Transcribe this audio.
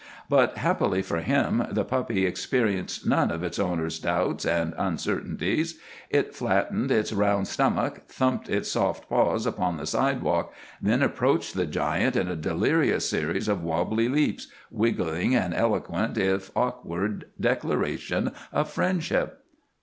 But, happily for him, the puppy experienced none of its owner's doubts and uncertainties; it flattened its round stomach, thumped its soft paws upon the sidewalk, then approached the giant in a delirious series of wobbly leaps, wiggling an eloquent, if awkward, declaration of friendship.